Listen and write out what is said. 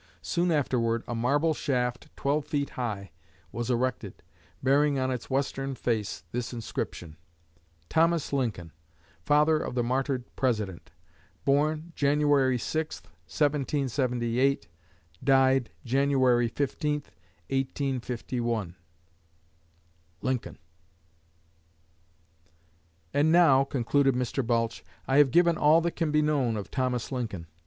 Soon afterward a marble shaft twelve feet high was erected, bearing on its western face this inscription: THOMAS LINCOLN FATHER OF THE MARTYRED PRESIDENT. BORN JAN. 6th, 1778 DIED JAN. 15th, 1851. LINCOLN. "And now," concluded Mr. Balch, "I have given all that can be known of Thomas Lincoln.